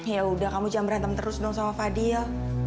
yaudah kamu jangan berantem terus dong sama fadil